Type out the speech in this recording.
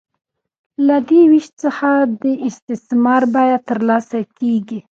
له دې وېش څخه د استثمار بیه ترلاسه کېږي